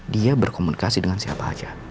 dia berkomunikasi dengan siapa saja